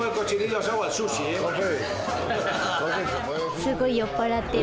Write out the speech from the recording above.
すごい酔っ払ってる。